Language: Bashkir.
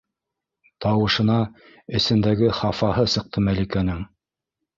- Тауышына эсендәге хафаһы сыҡты Мәликәнең.